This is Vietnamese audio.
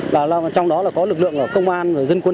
và trong đó là có lực lượng công an và dân quân